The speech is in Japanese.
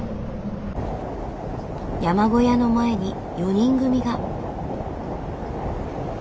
山小屋の前に４人組が。